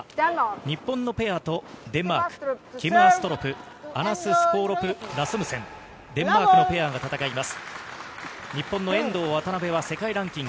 日本のペアとデンマーク、アストロプ、ラスムセン、デンマークのペアが戦います。